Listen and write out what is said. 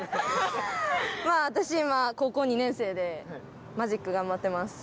私今高校２年生でマジック頑張ってます。